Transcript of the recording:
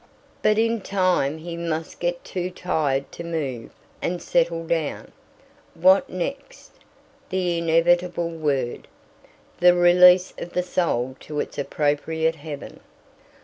But in time he must get too tired to move, and settle down. What next? The inevitable word. The release of the soul to its appropriate Heaven.